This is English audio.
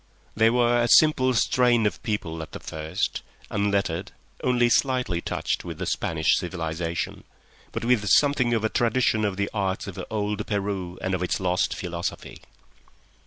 They were a simple strain of people at the first, unlettered, only slightly touched with the Spanish civilisation, but with something of a tradition of the arts of old Peru and of its lost philosophy.